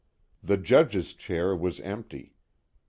The judge's chair was empty.